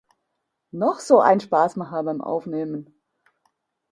Noch so ein Spassmacher beim Aufnehmen.